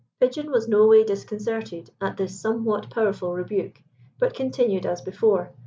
Pigeon was no way disconcerted at this somewhat powerful rebuke, but continued as before.